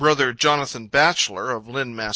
Jonathan Batchelor, of Lynn, Mass...